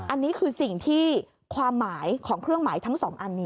อันนี้คือสิ่งที่ความหมายของเครื่องหมายทั้งสองอันนี้